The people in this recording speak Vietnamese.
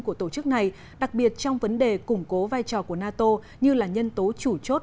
của tổ chức này đặc biệt trong vấn đề củng cố vai trò của nato như là nhân tố chủ chốt